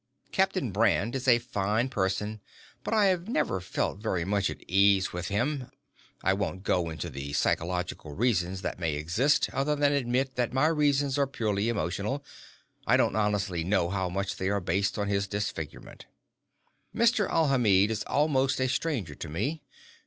Captain Brand is a fine person, but I have never felt very much at ease with him. (I won't go into the psychological reasons that may exist, other than admit that my reasons are purely emotional. I don't honestly know how much they are based on his disfigurement.) Mr. Alhamid is almost a stranger to me.